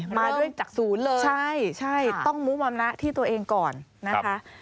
มาด้วยจากศูนย์เลยใช่ใช่ต้องมุมนะที่ตัวเองก่อนนะคะ